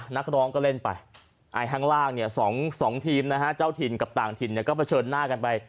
นักร้องก็เล่นไปข้างล่างเนี่ย๒ทีมนะฮะเจ้าถิ่นกับต่างถิ่นก็เผชิญหน้ากันไป